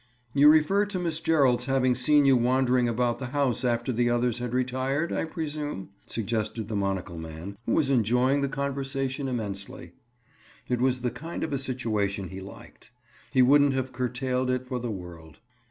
"You refer to Miss Gerald's having seen you wandering about the house after the others had retired, I presume?" suggested the monocle man, who was enjoying the conversation immensely. It was the kind of a situation he liked. He wouldn't have curtailed it for the world.